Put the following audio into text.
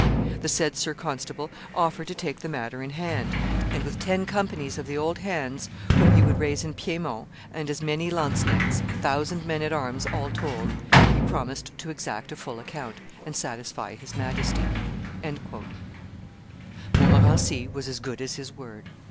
The said sir constable offered to take the matter in hand, and with ten companies of the old hands whom he would raise in Piedmont, and as many lanzknechts, a thousand men at arms all told, he promised to exact a full account, and satisfy his Majesty." Montmorency was as good as his word.